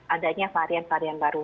adanya varian varian baru